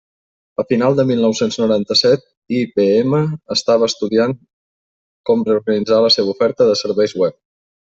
A finals de mil nou-cents noranta-set, IBM estava estudiant com reorganitzar la seva oferta de serveis web.